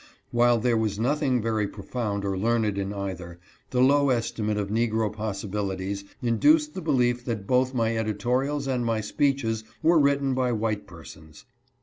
While there was nothing very profound or learned in either, the low estimate of Negro possibilities induced the belief that both my editorials and my speeches were written by white persons.